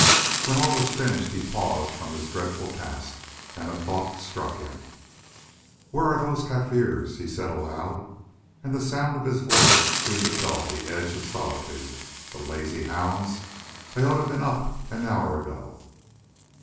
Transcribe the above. When all was finished he paused from his dreadful task, and a thought struck him. "Where are those Kaffirs?" he said aloud—the sound of his voice seemed to dull the edge of solitude—"the lazy hounds, they ought to have been up an hour ago.